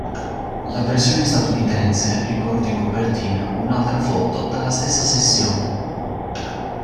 La versione statunitense riporta in copertina un'altra foto dalla stessa sessione.